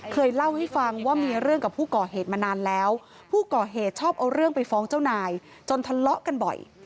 เคยเล่าให้ฟังว่ามีเรื่องกับผู้ก่อเหตุมานานแล้วผู้ก่อเหตุชอบเอาเรื่องไปฟ้องเจ้านายจนทะเลาะกันบ่อย